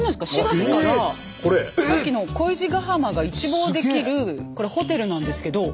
４月からさっきの恋路ヶ浜が一望できるこれホテルなんですけど。